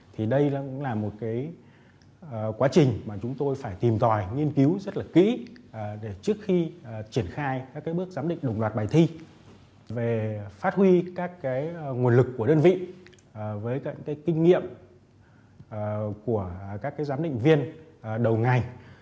thì đây cũng là một cái quá trình mà chúng tôi phải tìm tòi nghiên cứu rất là kỹ để trước khi triển khai các bước giám định đồng loạt bài thi về phát huy các nguồn lực của đơn vị với các kinh nghiệm của các giám định viên đầu ngành